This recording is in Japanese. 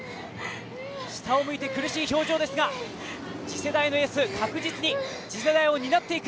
下を向いて苦しい表情ですが、次世代のエース、確実に次世代を担っていく。